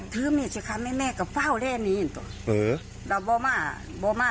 ถือมีจะกับแม่ฟาวแล้วไม่